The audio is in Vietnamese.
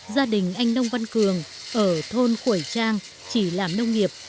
gia đình anh nông văn cường ở thôn khuẩy trang chỉ làm nông nghiệp